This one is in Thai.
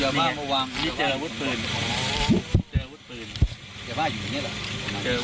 เจอบ้านอุวัมนี่เจออุวัมอุวัมอุวัมอุวัมอุวัมอุวัมอุวัมอุวัม